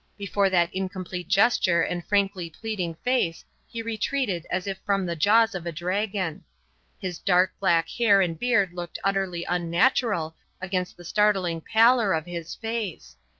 Before that incomplete gesture and frankly pleading face he retreated as if from the jaws of a dragon. His dark black hair and beard looked utterly unnatural against the startling pallor of his face.